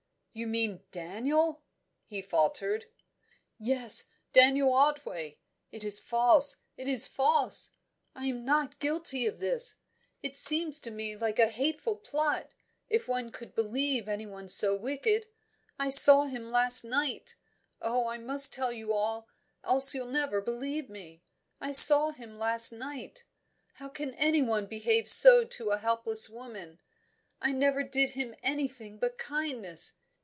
"You mean Daniel?" he faltered. "Yes Daniel Otway. It is false it is false! I am not guilty of this! It seems to me like a hateful plot if one could believe anyone so wicked. I saw him last night. Oh, I must tell you all, else you'll never believe me I saw him last night. How can anyone behave so to a helpless woman? I never did him anything but kindness.